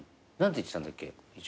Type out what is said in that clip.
何て言ってたんだっけ？